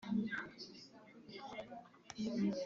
timoteyo yakundaga yehova agakunda na yohana